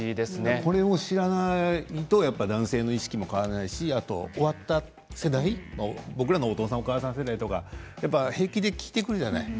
これを知らないと男性の意識も変わらないし終わった世代僕らのお父さんお母さん世代とかやっぱり平気で聞いてくるじゃない？